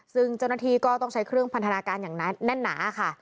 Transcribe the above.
ซึ่งเจ้าหน้าที่ก็ต้องใช้เครื่องพันธนาการอย่างแน่นหนาค่ะ